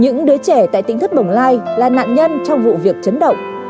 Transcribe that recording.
những đứa trẻ tại tinh thất bồng lai là nạn nhân trong vụ việc chấn động